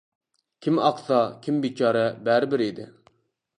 كىم ئاقسا، كىم بىچارە. بەرىبىر ئىدى.